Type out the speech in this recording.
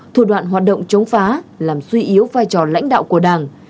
thủ đoạn hoạt động chống phá làm suy yếu vai trò lãnh đạo của đảng